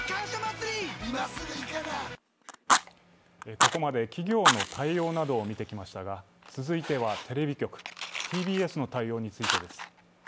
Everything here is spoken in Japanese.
ここまで企業の対応などを見てきましたが続いてはテレビ局、ＴＢＳの対応についてです。